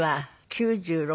９６。